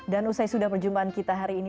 dan usai sudah perjumpaan kita hari ini